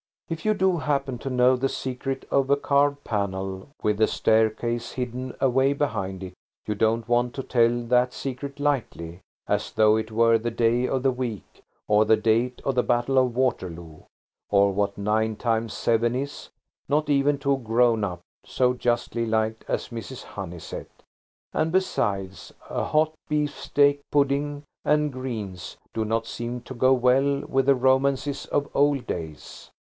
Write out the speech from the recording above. If you do happen to know the secret of a carved panel with a staircase hidden away behind it, you don't want to tell that secret lightly–as though it were the day of the week, or the date of the Battle of Waterloo, or what nine times seven is–not even to a grown up so justly liked as Mrs. Honeysett. And, besides, a hot beefsteak pudding and greens do not seem to go well with the romances of old days.